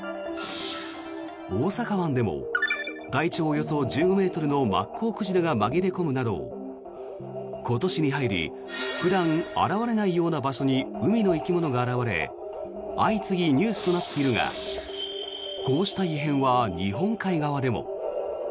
大阪湾でも体長およそ１５ｍのマッコウクジラが紛れ込むなど今年に入り普段、現れないような場所に海の生き物が現れ相次ぎニュースとなっているがこうした異変は日本海側でも。